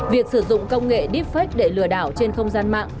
việc sử dụng công nghệ deepfake để lừa đảo trên không gian mạng